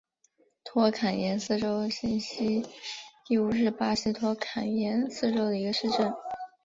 托坎廷斯州新锡蒂乌是巴西托坎廷斯州的一个市镇。